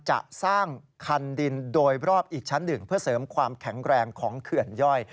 จะสร้างคันดินโดยรอบอีกชั้นหนึ่งเพื่อเสริมความแข็งแรงของเขื่อนย่อย